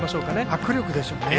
握力でしょうかね。